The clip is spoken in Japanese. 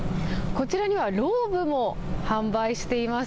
こちらにはローブも販売しています。